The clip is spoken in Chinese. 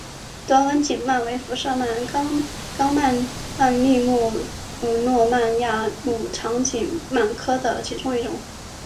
短吻颈鳗为辐鳍鱼纲鳗鲡目糯鳗亚目长颈鳗科的其中一个种。